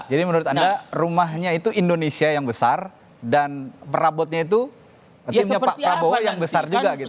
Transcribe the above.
jadi menurut anda rumahnya itu indonesia yang besar dan perabotnya itu pak prabowo yang besar juga gitu